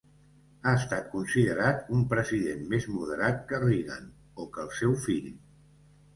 Ha estat considerat un president més moderat que Reagan o que el seu fill.